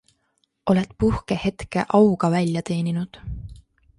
Oled puhkehetke auga välja teeninud.